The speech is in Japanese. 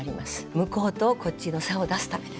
向こうとこっちの差を出すためです。